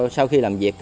sau khi làm việc